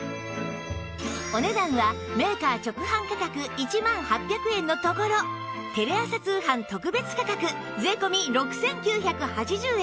お値段はメーカー直販価格１万８００円のところテレ朝通販特別価格税込６９８０円